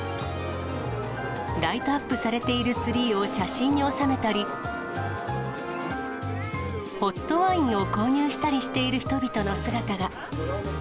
ライトアップされているツリーを写真に収めたり、ホットワインを購入したりしている人々の姿が。